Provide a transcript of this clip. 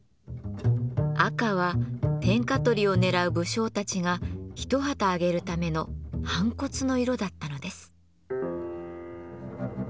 赤は天下取りを狙う武将たちが一旗揚げるための反骨の色だったのです。